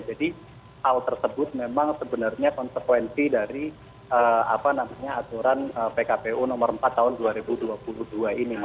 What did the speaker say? jadi hal tersebut memang sebenarnya konsekuensi dari aturan pkpu nomor empat tahun dua ribu dua puluh dua ini